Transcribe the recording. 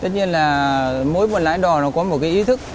tất nhiên là mỗi một lái đò nó có một cái ý thức